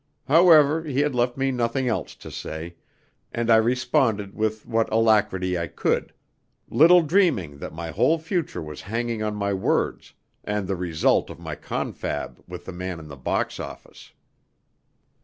However, he had left me nothing else to say, and I responded with what alacrity I could, little dreaming that my whole future was hanging on my words, and the result of my confab with the man in the box office.